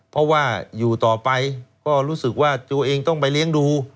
เพราะว่าอยู่ต่อไปก็รู้สึกว่าตัวเองต้องไปเลี้ยงดู